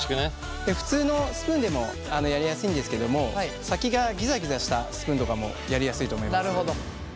普通のスプーンでもやりやすいんですけども先がぎざぎざしたスプーンとかもやりやすいと思います。